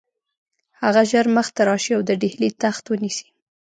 هغه ژر مخته راشي او د ډهلي تخت ونیسي.